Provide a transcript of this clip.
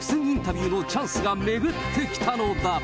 インタビューのチャンスが巡ってきたのだ。